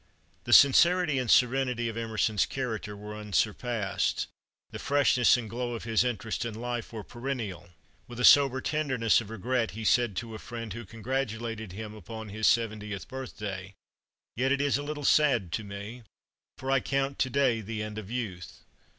The sincerity and serenity of Emerson's character were unsurpassed. The freshness and glow of his interest in life were perennial. With a sober tenderness of regret he said to a friend who congratulated him upon his seventieth birthday, "Yet it is a little sad to me, for I count to day the end of youth."